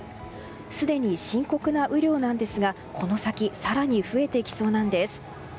すでに深刻な雨量なんですがこの先更に増えてきそうなんです。